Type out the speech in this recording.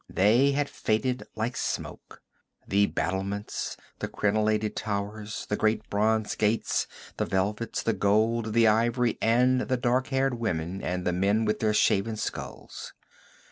They had faded like smoke the battlements, the crenellated towers, the great bronze gates, the velvets, the gold, the ivory, and the dark haired women, and the men with their shaven skulls.